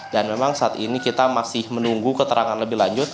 dan memang saat ini kita masih menunggu keterangan lebih lanjut